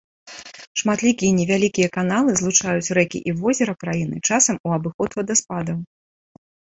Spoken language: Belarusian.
Шматлікія невялікія каналы злучаюць рэкі і возера краіны, часам у абыход вадаспадаў.